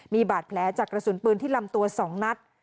มีบาดแผลจากกระสุนปืนที่ลำตัว๒นัด